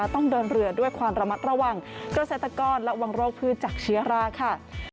ต้องเดินเรือด้วยความระมัดระวังเกษตรกรระวังโรคพืชจากเชื้อราค่ะ